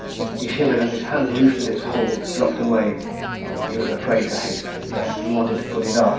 He shivered and his hand loosened its hold, dropped away. He was afraid to hasten death. He wanted to put it off.